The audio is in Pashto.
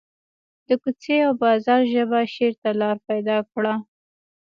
د کوڅې او بازار ژبه شعر ته لار پیدا کړه